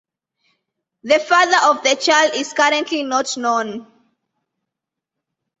The father of the child is currently not known.